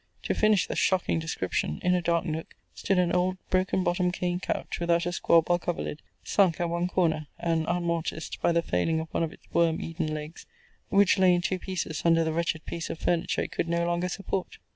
To finish the shocking description, in a dark nook stood an old broken bottomed cane couch, without a squab, or coverlid, sunk at one corner, and unmortised by the failing of one of its worm eaten legs, which lay in two pieces under the wretched piece of furniture it could no longer support.